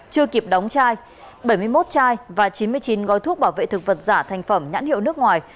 chưa kịp đóng chai bảy mươi một chai và chín mươi chín gói thuốc bảo vệ thực vật giả thành phẩm nhãn hiệu nước ngoài